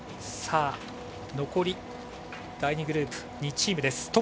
残り第２グループ、２チームです。